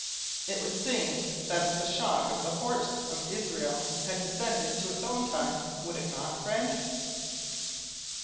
It would seem that the stock of the horse of Israel had descended to our own time; would it not, friend?"